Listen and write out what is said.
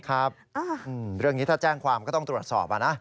เรื่องนี้ถ้าแจ้งความก็ต้องตรวจสอบนะ